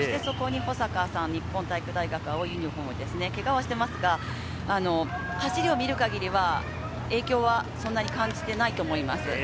そこに保坂さん、日本体育大学が青いユニホーム、けがはしてますが、走りを見る限りは影響はそんなに感じていないと思います。